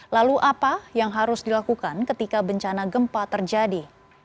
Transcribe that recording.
lalu apa yang harus dilakukan ketika bencana gempa terjadi